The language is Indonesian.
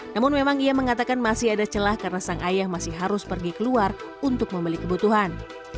namun memang ia mengatakan masih ada celah karena sang ayah masih harus pergi keluar untuk membeli kebutuhan